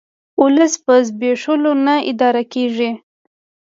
ولس په زبېښولو نه اداره کیږي